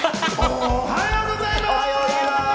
おはようございます！